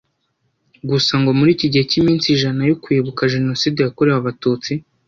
gusa ngo muri iki gihe cy’iminsi ijana yo kwibuka Jenoside yakorewe Abatutsi